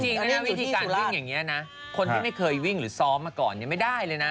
จริงวิธีการวิ่งอย่างนี้นะคนที่ไม่เคยวิ่งหรือซ้อมมาก่อนยังไม่ได้เลยนะ